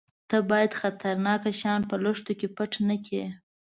_ته بايد خطرناکه شيان په لښتو کې پټ نه کړې.